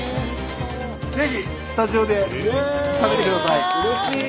ぜひスタジオで食べてください。